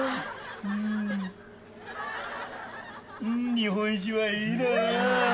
日本酒はいいな。